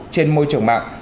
trên môi trường mạng